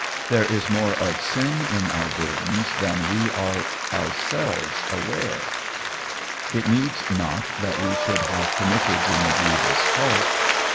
There is more of sin in our burdens than we are ourselves aware. It needs not that we should have committed any grievous fault.